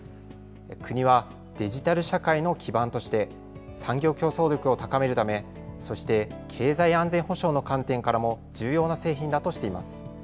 国はデジタル社会の基盤として産業競争力を高めるため、そして、経済安全保障の観点からも重要な製品だとしています。